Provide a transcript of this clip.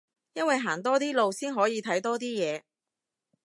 因為行多啲路先可以睇多啲嘢